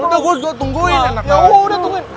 ya udah gue tungguin ya udah tungguin